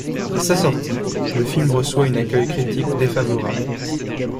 À sa sortie, le film reçoit un accueil critique défavorable.